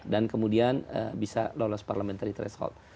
dan kemudian bisa lolos parliamentary threshold